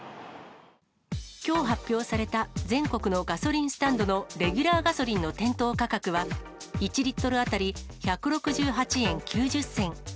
きょう発表された全国のガソリンスタンドのレギュラーガソリンの店頭価格は、１リットル当たり１６８円９０銭。